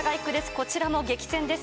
こちらも激戦です。